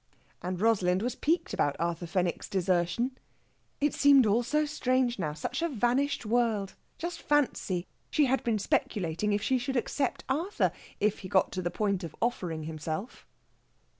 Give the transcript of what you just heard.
And Rosalind was piqued about Arthur Fenwick's desertion. It seemed all so strange now such a vanished world! Just fancy! she had been speculating if she should accept Arthur, if he got to the point of offering himself.